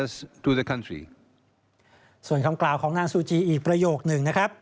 ส่วนคำกล่าวของนางซูจีอีกประโยคหนึ่งนะครับ